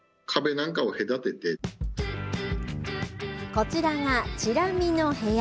こちらがちら見の部屋。